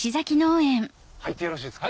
・はい・入ってよろしいですか？